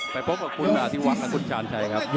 ไปพบกับกุฏติวัตติและกุธชาญชัยครับ